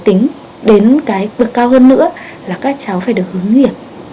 để tính đến cái bước cao hơn nữa là các cháu phải được hướng nghiệp